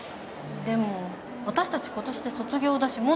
でも私たち今年で卒業だしもっとみんな。